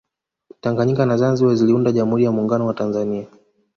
tanganyika na zanzibar ziliunda jamhuri ya muungano wa tanzania